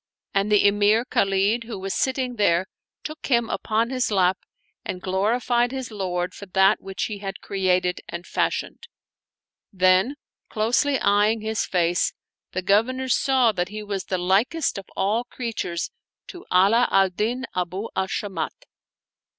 And the Emir Khalid who was sitting there took him upon his lap and glorified his Lord for that which he had created and fashioned; then closely eying his face, the Governor saw that he was the likest of all creatures to Ala al Din Abu al Shamat.